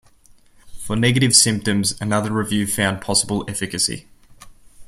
For negative symptoms another review found possible efficacy.